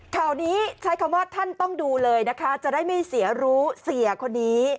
ข่าวนี้ใช้คำว่าท่านต้องดูเลยนะคะจะได้ไม่เสียรู้เสียคนนี้